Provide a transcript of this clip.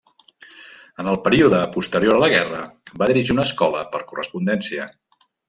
En el període posterior a la guerra, va dirigir una escola per correspondència.